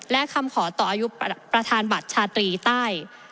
และคำขอต่ออายุประธานบัตรชาตรีใต้